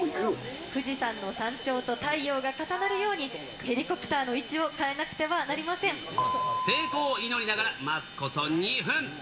富士山の山頂と太陽が重なるように、ヘリコプターの位置を変えな成功を祈りながら、待つこと２分。